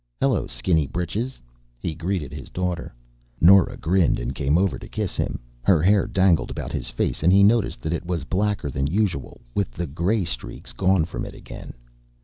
"Hello, skinny britches," he greeted his daughter. Nora grinned and came over to kiss him. Her hair dangled about his face, and he noticed that it was blacker than usual, with the gray streaks gone from it again.